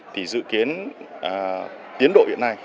thì dự kiến tiến độ hiện nay